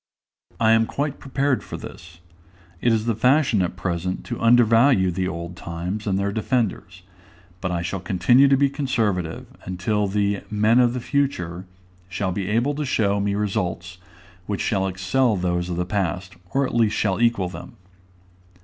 I am quite prepared for this: it is the fashion at present to undervalue the old times and their defenders; but I shall continue to be conservative, until the "men of the future" shall be able to show me results which shall excel those of the past, or at least shall equal them.